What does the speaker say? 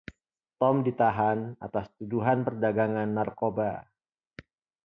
Tom ditahan atas tuduhan perdagangan narkoba.